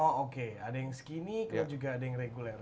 oh oke ada yang skinny kemudian ada yang regular